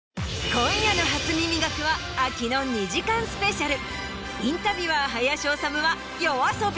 今夜の『初耳学』は秋の２時間スペシャル。